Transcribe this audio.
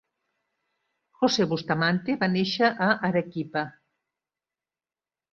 José Bustamante va néixer a Arequipa.